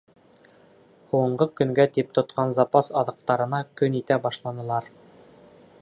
Һуңғы көнгә тип тотҡан запас аҙыҡтарына көн итә башланылар.